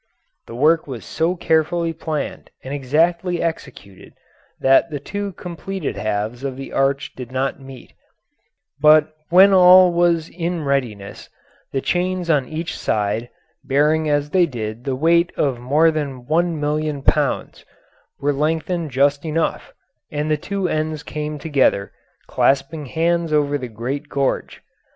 The work was so carefully planned and exactly executed that the two completed halves of the arch did not meet, but when all was in readiness the chains on each side, bearing as they did the weight of more than 1,000,000 pounds, were lengthened just enough, and the two ends came together, clasping hands over the great gorge.